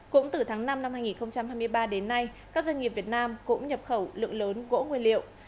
cũng từ tháng năm năm hai nghìn hai mươi ba đến nay các doanh nghiệp việt nam cũng nhập khẩu lượng lớn gỗ nguyên liệu